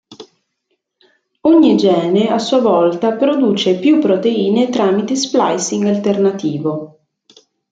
Ogni gene a sua volta produce più proteine tramite splicing alternativo.